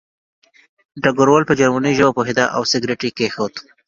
ډګروال په جرمني ژبه پوهېده او سګرټ یې کېښود